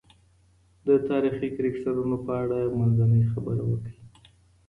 د تاریخي کرکټرونو په اړه منځنۍ خبره وکړئ.